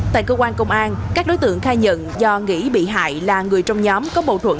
tại cơ quan công an các đối tượng khai nhận do nghĩ bị hại là người trong nhóm có bầu thuận